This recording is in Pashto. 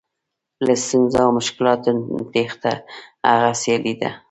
له ستونزو او مشکلاتو تېښته هغه سیالي ده.